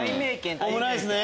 オムライスね！